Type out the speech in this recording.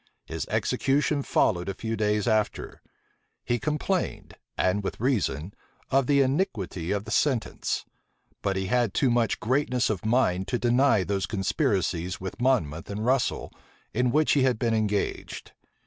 His execution followed a few days after: he complained, and with reason, of the iniquity of the sentence; but he had too much greatness of mind to deny those conspiracies with Monmouth and Russel, in which he had been engaged.